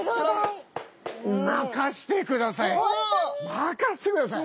任してください！